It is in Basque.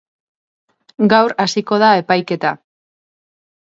Gaur hasiko da epaiketa.